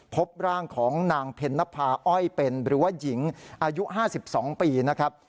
พบร่างของนางเพ็ญนภาอ้อยเป็นหรือว่าหญิงอายุ๕๒ปีนะครับ